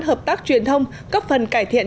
hợp tác truyền thông cấp phần cải thiện